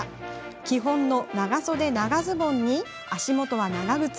基本の長袖長ズボンに足元は長靴。